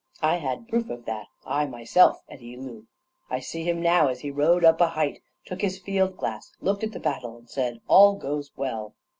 I had proof of that I myself at Eylau. I see him now, as he rode up a height, took his field glass, looked at the battle, and said, 'All goes well.'